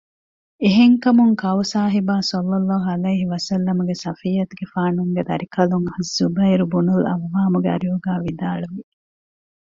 އެހެންކަމުން ކައުސާހިބާ ޞައްލަﷲ ޢަލައިހި ވަސައްލަމަގެ ޞަފިއްޔަތުގެފާނުގެ ދަރިކަލުން އައްޒުބައިރު ބުނުލް ޢައްވާމުގެ އަރިހުގައި ވިދާޅުވި